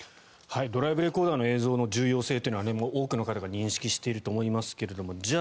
ドライブレコーダーの映像の重要性というのは多くの方が認識していると思いますけれどもじゃ